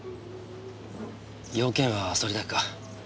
用件はそれだけか？